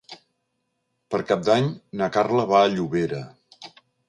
Per Cap d'Any na Carla va a Llobera.